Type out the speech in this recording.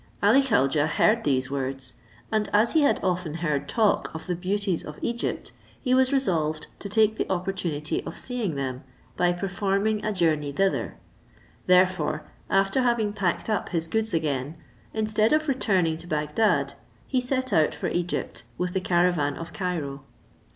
Ali Khaujeh heard these words; and as he had often heard talk of the beauties of Egypt, he was resolved to take the opportunity of seeing them, by performing a journey thither. Therefore, after having packed up his goods again, instead of returning to Bagdad, he set out for Egypt, with the caravan of Cairo.